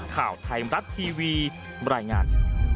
ข่าวไทยมรัฐทีวีบรรยายงาน